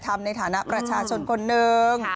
ในฐานะประชาชนคนหนึ่ง